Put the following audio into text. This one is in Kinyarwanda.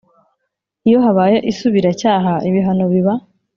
Iyo habaye isubiracyaha ibihano biba